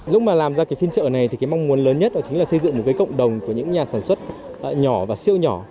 lúc mà làm ra cái phiên trợ này thì cái mong muốn lớn nhất đó chính là xây dựng một cái cộng đồng của những nhà sản xuất nhỏ và siêu nhỏ